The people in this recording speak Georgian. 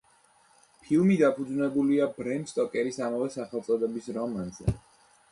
ფილმი დაფუძვნებულია ბრემ სტოკერის ამავე სახელწოდების რომანზე.